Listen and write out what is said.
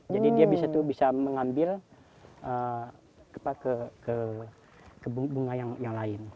jadi dia bisa mengambil ke bunga yang lain